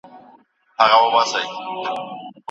ایا د داستان څېړل اسانه دي؟